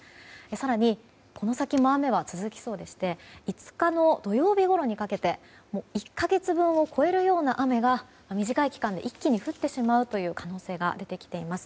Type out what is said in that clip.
更に、この先も雨は続きそうでして５日の土曜日ごろにかけて１か月分を超えるような雨が短い期間で一気に降ってしまうという可能性が出てきています。